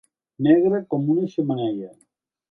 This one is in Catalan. Negre com una xemeneia.